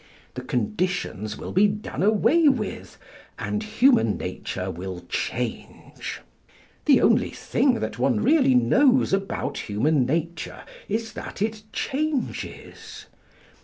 The conditions will be done away with, and human nature will change. The only thing that one really knows about human nature is that it changes.